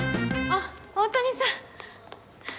あ大谷さん。